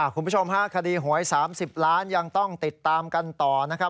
คุณผู้ชมฮะคดีหวย๓๐ล้านยังต้องติดตามกันต่อนะครับ